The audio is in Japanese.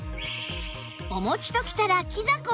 お餅ときたらきなこも！